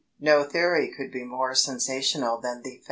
No theory could be more sensational than the facts.